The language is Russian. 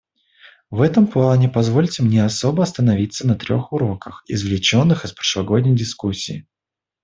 В этом плане позвольте мне особо остановиться на трех уроках, извлеченных из прошлогодней дискуссии.